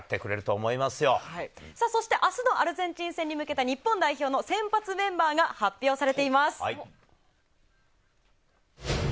そして、あすのアルゼンチン戦に向けた日本代表の先発メンバーが発表されています。